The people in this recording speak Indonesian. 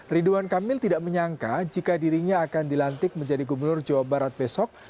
ridwan kamil tidak menyangka jika dirinya akan dilantik menjadi gubernur jawa barat besok